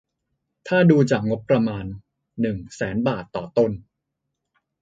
ถ้าดูจากงบประมาณ หนึ่ง แสนบาทต่อต้น